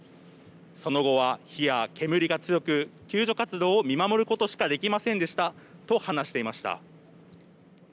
その後は、火や煙が強く救助活動を見守ることしかできませんでしたと話していました。